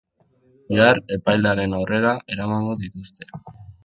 Bihar epailearen aurrera eramango dituzte.